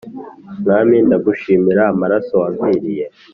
Mwami ndagushimira amaraso wamviriye